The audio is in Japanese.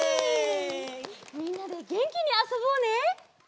みんなでげんきにあそぼうね！